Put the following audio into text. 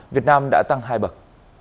việt nam đã tăng hai bậc